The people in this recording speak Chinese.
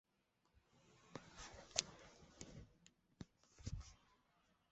股东是长江和记实业有限公司及新鸿基地产。